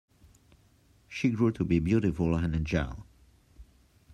She grew to be beautiful and agile.